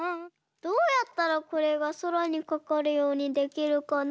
どうやったらこれがそらにかかるようにできるかな？